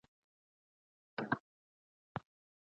د نېپال ښځو به افسوس کړی وي.